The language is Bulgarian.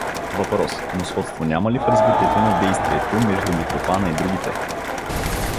Въпрос: Но сходство няма ли в развитието на действието между Митрофана и другите?